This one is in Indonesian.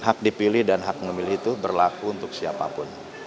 hak dipilih dan hak memilih itu berlaku untuk siapapun